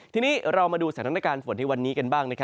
ทีนี้เราดูแสนนักการฝนที่วันนี้กันบ้าง